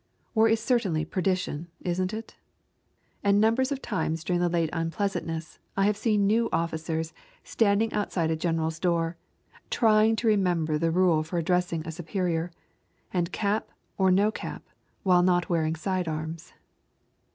War is certainly perdition, isn't it? And numbers of times during the late unpleasantness I have seen new officers standing outside a general's door, trying to remember the rule for addressing a superior, and cap or no cap while not wearing side arms.